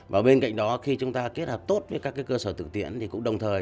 và bên cạnh đó khi chúng ta kết hợp tốt với các cơ sở thực tiễn thì cũng đồng thời